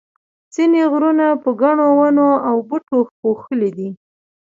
ځینې غرونه په ګڼو ونو او بوټو پوښلي دي.